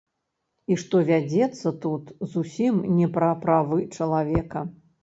І што вядзецца тут зусім не пра правы чалавека.